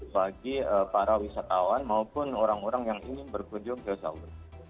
bagi para wisatawan maupun orang orang yang ingin berkunjung ke saudi